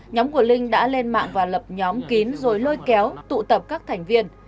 nhóm của linh đã lên mạng và lập nhóm kín rồi lôi kéo tụ tập các thành viên